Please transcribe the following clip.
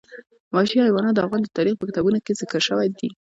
وحشي حیوانات د افغان تاریخ په کتابونو کې ذکر شوی دي.